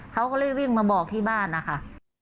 เขาก็เลยวิ่งมาบอกที่บ้านนะคะ